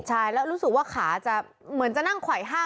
ใช่แล้วรู้สึกว่าขาจะเหมือนจะนั่งไขว่๕